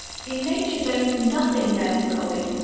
In nature there is nothing melancholy.